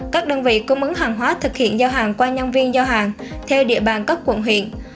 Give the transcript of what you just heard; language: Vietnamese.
các đơn vị cung ứng hàng hóa thực hiện giao hàng qua nhân viên giao hàng theo địa bàn các quận huyện